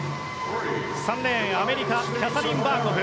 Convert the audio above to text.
３レーン、アメリカキャサリン・バーコフ。